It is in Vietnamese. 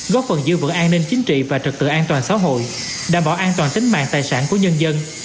góp phần giữ vững an ninh chính trị và trực tự an toàn xã hội đảm bảo an toàn tính mạng tài sản của nhân dân